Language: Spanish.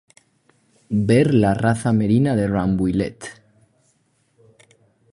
Ver la raza Merina de Rambouillet.